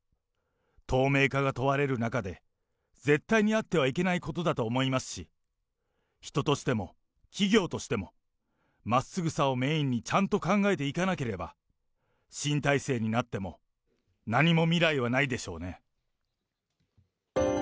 透明化が問われる中で、絶対にあってはいけないことだと思いますし、人としても、企業としても、真っすぐさをメインにちゃんと考えていかなければ、新体制になっても何も未来はないでしょうね。